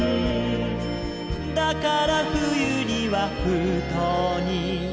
「だから冬には封筒に」